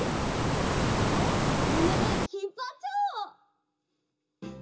よしみんなでひっぱっちゃおう！